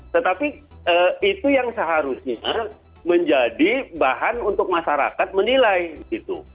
tetapi itu yang seharusnya menjadi bahan untuk masyarakat menilai gitu